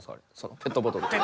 ペットボトルと。